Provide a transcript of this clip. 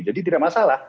jadi tidak masalah